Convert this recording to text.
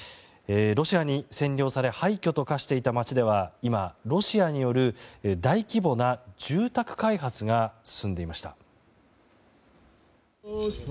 ロシアに占領され廃墟と化していた街では今、ロシアによる大規模な住宅開発が進んでいました。